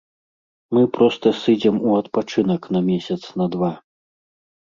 Мы проста сыдзем у адпачынак на месяц, на два.